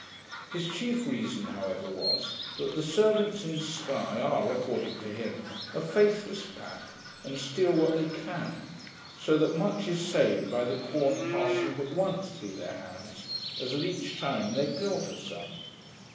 His chief reason however was, that the servants of Sky are, according to him, a faithless pack, and steal what they can; so that much is saved by the corn passing but once through their hands, as at each time they pilfer some.